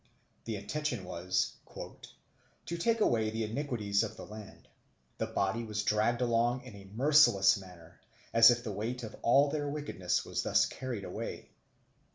The intention was "to take away the iniquities of the land. The body was dragged along in a merciless manner, as if the weight of all their wickedness was thus carried away."